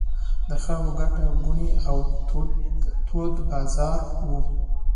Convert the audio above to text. د خلکو ګڼه ګوڼې او تود بازار و.